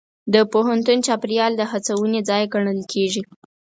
د پوهنتون چاپېریال د هڅونې ځای ګڼل کېږي.